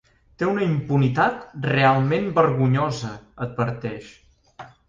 Té una impunitat realment vergonyosa, adverteix.